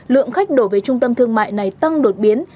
lượng khách đổ về trung tâm thương mại này tăng đột biến